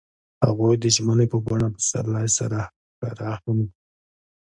هغوی د ژمنې په بڼه پسرلی سره ښکاره هم کړه.